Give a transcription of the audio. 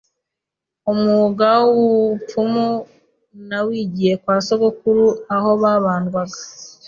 umwuga w’ubupfumu nawigiye kwa sogokuru aho babandwaga